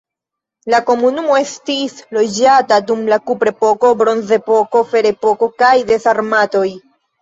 La komunumo estis loĝata dum la kuprepoko, bronzepoko, ferepoko kaj de sarmatoj.